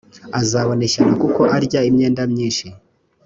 azabona ishyano kuko arya imyenda myinshi